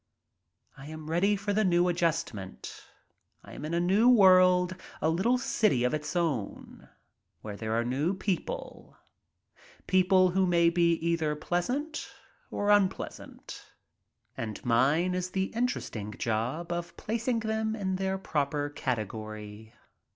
I am ready for the new adjustment. I am in a new world, a little city of its own, where there are new people — people who may be either pleasant or unpleasant, and mine is the interesting job of placing them in their proper category.